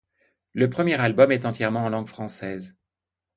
Le premier album est entièrement en langue française.